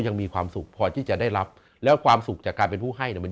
ยังมีความสุขพอที่จะได้รับแล้วความสุขจากการเป็นผู้ให้เนี่ยมัน